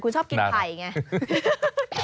คุณชอบกินไผ่ไง